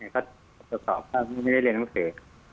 เขาตรวจสอบว่าไม่ได้เรียนหนังสือ